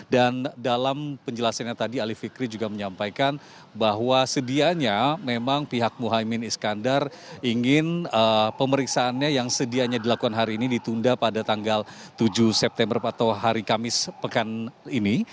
dalam penjelasannya tadi ali fikri juga menyampaikan bahwa sedianya memang pihak muhaymin iskandar ingin pemeriksaannya yang sedianya dilakukan hari ini ditunda pada tanggal tujuh september atau hari kamis pekan ini